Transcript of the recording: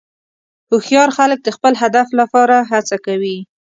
هوښیار خلک د خپل هدف لپاره هڅه کوي.